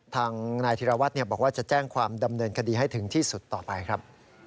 ทางนายธิรวัตรบอกว่าจะแจ้งความดำเนินคดีให้ถึงที่สุดต่อไปครับ